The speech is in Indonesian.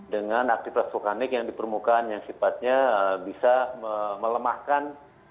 dengan aktivitas vulkanik yang di permukaan yang sifatnya bisa melemahkan